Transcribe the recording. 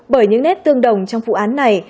bởi những nét tương đồng trong vụ án này